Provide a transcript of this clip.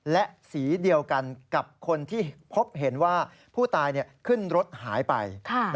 และสีเดียวกันกับคนที่พบเห็นว่าผู้ตายขึ้นรถหายไป